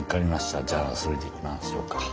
じゃあそれでいきましょうか。